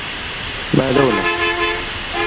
ما لونه؟